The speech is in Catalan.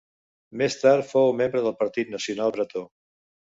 Més tard fou membre del Partit Nacional Bretó.